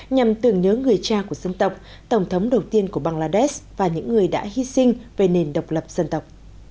nhằm tưởng nhớ người cha của dân tộc tổng thống đầu tiên của bangladesh và những người đã hy sinh về nền độc lập dân tộc